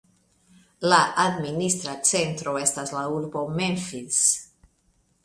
La administra centro estas la urbo Memphis.